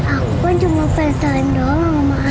aku kan cuma pengen saling doang sama ayah